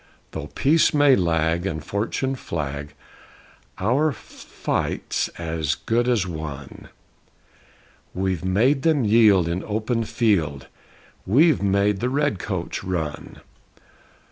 Though Peace may lag and Fortune flag, Our fight's as good as won; We've made them yield in open field! We've made the Redcoats run!